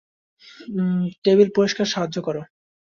Table পরিষ্কারে সাহায্য করো।